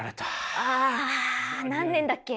ああ何年だっけ？